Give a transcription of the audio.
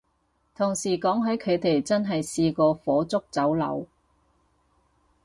同事講起佢哋真係試過火燭走佬